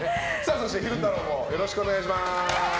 そして昼太郎もよろしくお願いします。